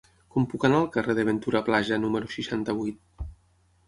Com puc anar al carrer de Ventura Plaja número seixanta-vuit?